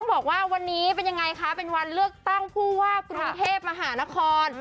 บอกว่าวันนี้เป็นยังไงคะเป็นวันเลือกตั้งผู้ว่ากรุงเทพมหานคร